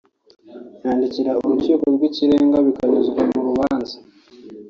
yandikira Urukiko rw’ Ikirenga bikanyuzwa mu rubanza